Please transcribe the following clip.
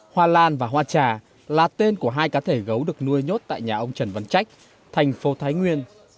hoa lan và hoa trà là tên của hai cá thể gấu được nuôi nhốt tại nhà ông trần văn trách thành phố thái nguyên